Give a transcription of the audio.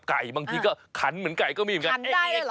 อันนี้ขันเหมือนไก่ก็มีเหมือนเอ๊ะ